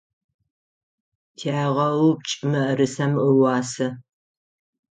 Тягъэупчӏ мыӏэрысэм ыуасэ.